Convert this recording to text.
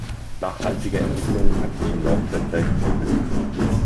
Nachhaltige Entwicklung hat sich im Laufe der Zeit entwickelt.